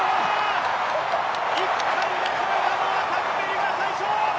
１回で越えたのはタンベリが最初！